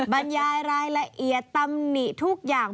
บรรยายรายละเอียดตำหนิทุกอย่าง